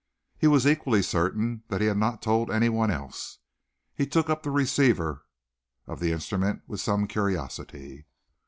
He was equally certain that he had not told anyone else. He took up the receiver of the instrument with some curiosity.